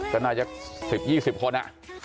ก็น่าจะ๑๐๒๐คน